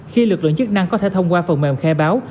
khi lực lượng chức năng có thể thông qua phần mềm khai báo